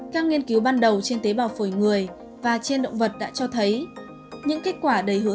các nghiên cứu ban đầu trên tế bào phổi người và trên động vật đã cho thấy những kết quả đầy hướng